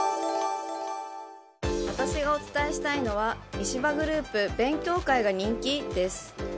私がお伝えしたいのは石破グループ勉強会が人気？です。